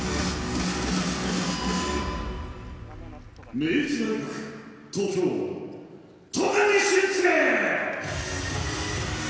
明治大学、東京、戸上隼輔！